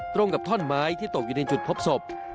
ตรงกับท่อนไม้ที่ตกอยู่ในจุดพบศพ